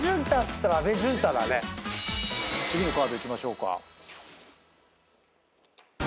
次のカードいきましょうか。